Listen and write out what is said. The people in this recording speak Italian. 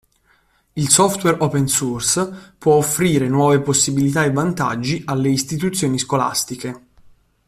Il software open source può offrire nuove possibilità e vantaggi alle istituzioni scolastiche.